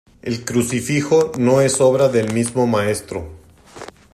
El crucifijo no es obra del mismo maestro.